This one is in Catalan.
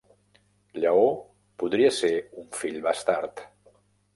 Lleó podria ser un fill bastard.